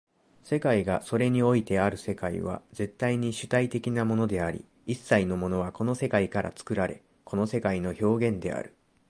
世界がそれにおいてある世界は絶対に主体的なものであり、一切のものはこの世界から作られ、この世界の表現である。